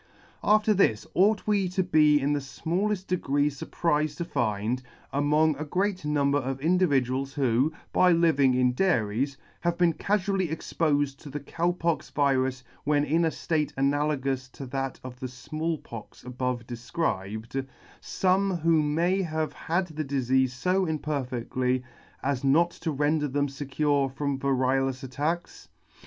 After this ought we to be in the fmalleft degree furprifed to find, among a great number of individuals who, by living in dairies, have been cafually expofed to the Cow pox virus when in a ftate analogous to that of the Small Pox above defcribed, fome who may have had the difeafe fo imperfectly, as not to render [ 8 5 ] render them fecure from variolous attacks